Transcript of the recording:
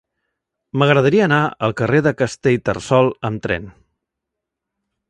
M'agradaria anar al carrer de Castellterçol amb tren.